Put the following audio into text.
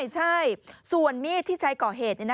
ใช่ส่วนมีดที่ใช้ก่อเหตุ